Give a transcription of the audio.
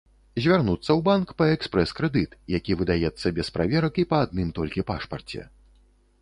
Звярнуцца ў банк па экспрэс-крэдыт, які выдаецца без праверак і па адным толькі пашпарце.